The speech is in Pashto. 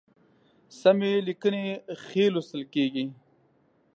سمي لیکنی ښی لوستل کیږي